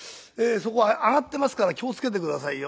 そこ上がってますから気を付けて下さいよ。